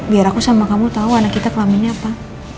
biar aku sama kamu tahu anak kita kelaminnya apa